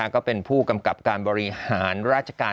ก็เป็นผู้กำกับการบริหารราชการ